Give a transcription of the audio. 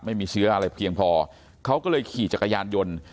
ไม่มีเชื้ออะไรเพียงพอเขาก็เลยขี่จักรยานยนต์